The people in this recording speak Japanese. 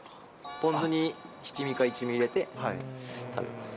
ポン酢に七味か一味入れて食べます。